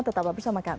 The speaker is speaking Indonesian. tetap bersama kami